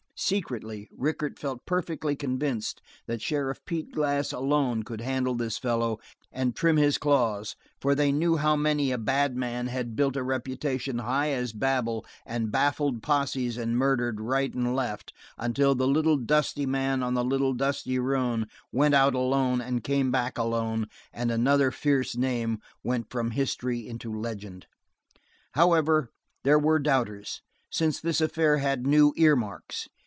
Secretly, Rickett felt perfectly convinced that Sheriff Pete Glass alone could handle this fellow and trim his claws for they knew how many a "bad man" had built a reputation high as Babel and baffled posses and murdered right and left, until the little dusty man on the little dusty roan went out alone and came back alone, and another fierce name went from history into legend. However, there were doubters, since this affair had new earmarks.